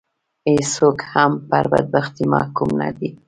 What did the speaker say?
هېڅوک هم پر بدبختي محکوم نه دي.